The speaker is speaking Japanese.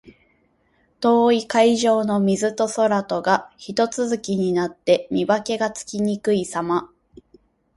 遠い海上の水と空とがひと続きになって、見分けがつきにくいさま。